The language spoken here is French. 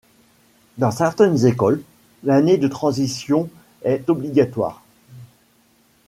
Dans certaines écoles, l'année de transition est obligatoire.